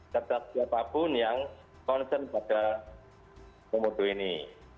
serta siapapun yang concern pada komodo ini